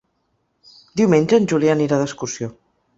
Diumenge en Julià anirà d'excursió.